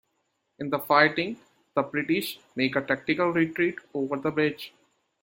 In the fighting, the British make a tactical retreat over the bridge.